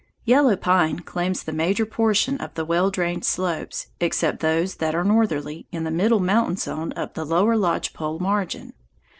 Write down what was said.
Yellow pine claims the major portion of the well drained slopes, except those that are northerly, in the middle mountain zone up to the lower lodge pole margin.